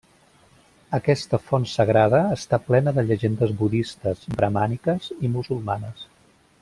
Aquesta font sagrada està plena de llegendes budistes, bramàniques i musulmanes.